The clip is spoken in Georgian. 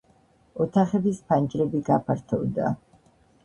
ოთახების ფანჯრები გაფართოვდა.